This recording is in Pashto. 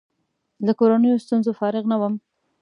له کورنیو ستونزو فارغ نه وم.